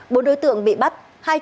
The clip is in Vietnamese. bộ đối tượng bị bắt